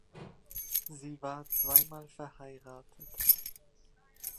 Sie war zweimal verheiratet.